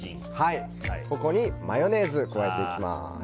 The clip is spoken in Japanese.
ここにマヨネーズを加えていきます。